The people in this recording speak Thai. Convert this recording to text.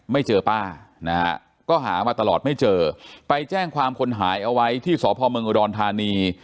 ไม่เจอป้านะฮะก็หามาตลอดไม่เจอไปแจ้งความคนหายเอาไว้ที่สพเมืองอุดรธานี